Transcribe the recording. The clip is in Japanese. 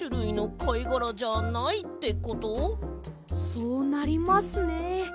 そうなりますね。